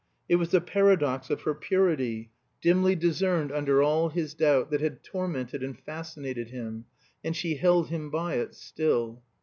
It was the paradox of her purity, dimly discerned under all his doubt, that had tormented and fascinated him; and she held him by it still.